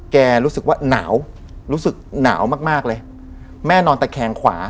รู้สึกว่าหนาวรู้สึกหนาวมากมากเลยแม่นอนตะแคงขวา